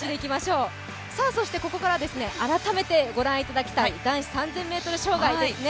ここからは改めてご覧いただきたい、男子３０００ｍ障害ですね。